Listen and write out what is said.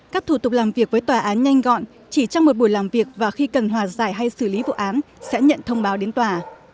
các thủ tục làm việc với tòa án nhanh gọn chỉ trong một buổi làm việc và khi cần hòa giải hay xử lý vụ án sẽ nhận thông báo đến tòa